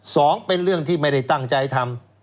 สองเป็นเรื่องที่ไม่ได้ตั้งใจทำ